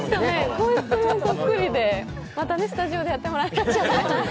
声室もそっくりで、またスタジオでやってもらいましょう。